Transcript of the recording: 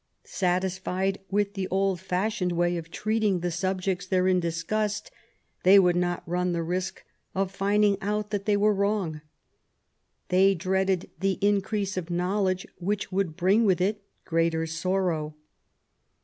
Satisfied with the old fashioned way of treating the subjects therein discussed, they would not run the risk of finding out that they were wrong. They dreaded the increase of knowledge which would bring with it greater sorrow.